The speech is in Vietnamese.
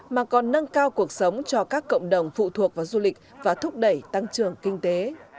mà còn nâng cao cuộc sống cho các cộng đồng phụ thuộc vào du lịch và thúc đẩy tăng trưởng kinh tế